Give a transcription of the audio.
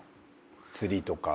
釣りとか。